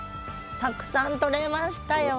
たくさんとれましたよ。